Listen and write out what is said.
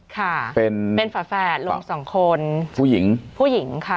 ค่ะเป็นเป็นฝาแฝดลงสองคนผู้หญิงผู้หญิงค่ะ